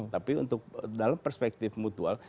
tapi untuk dalam perspektif mutual